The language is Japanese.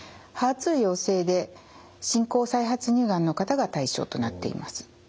ＨＥＲ２陽性で進行・再発乳がんの方が対象となっています。